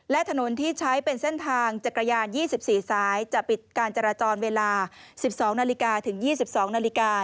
และถนนที่ใช้เป็นเส้นทางจักรยาน๒๔สายจะปิดการจราจรเวลา๑๒นาฬิกาถึง๒๒นาฬิกา